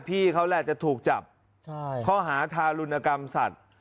พี่เขาแหละจะถูกจับข้อหาทารุณกรรมสัตว์